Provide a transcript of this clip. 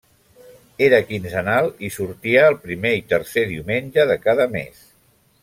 Era quinzenal i sortia el primer i tercer diumenge de cada mes.